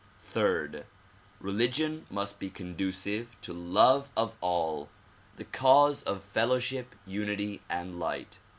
Third; religion must be conducive to love of all, the cause of fellowship, unity and light.